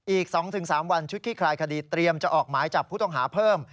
อีก๒๓วันชุดขี้คลายคดีเตรียมจะออกหมายจับผู้ต้องหาเพิ่ม